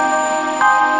terima kasih banyak ya emang